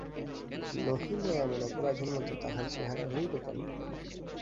নহিলে এমন অপরাধীর মতো তাহার চেহারা হইবে কেন।